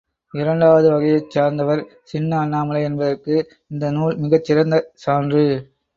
இரண்டாவது வகையைச் சார்ந்தவர் சின்ன அண்ணாமலை என்பதற்கு இந்த நூல் மிகச் சிறந்த சான்று.